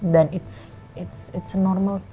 dan itu hal normal